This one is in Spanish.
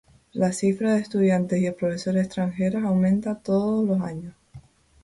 La cifra de estudiantes y profesores extranjeros aumenta todos los años.